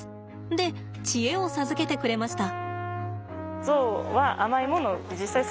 で知恵を授けてくれました。